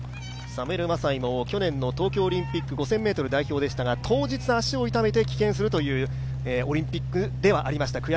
サムウェル・マサイも去年の東京オリンピック５０００ｍ代表でしたが、当日に足を痛めて棄権するというオリンピックではありました。